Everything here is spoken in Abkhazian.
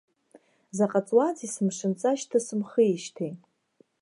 Заҟа ҵуазеи сымшынҵа шьҭысымхижьҭеи.